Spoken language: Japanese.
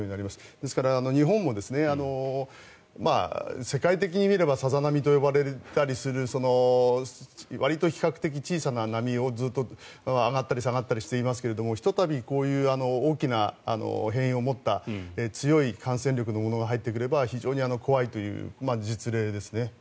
ですから、日本も世界的に見ればさざ波と呼ばれたりするわりと比較的小さな波をずっと上がったり下がったりしていますがひとたびこういう大きな変異を持った強い感染力のものが入ってくれば非常に怖いという実例ですね。